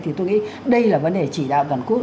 thì tôi nghĩ đây là vấn đề chỉ đạo toàn quốc